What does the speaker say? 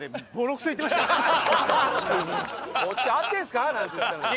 「こっち合ってるんすか？」なんて言ってたのに。